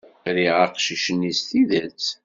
Riɣ aqcic-nni s tidet.